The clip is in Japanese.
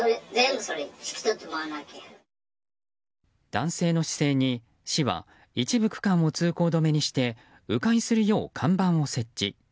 男性の姿勢に市は一部区間を通行止めにして迂回するよう、看板を設置。